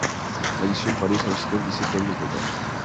Falleció en París a los setenta y siete años de edad.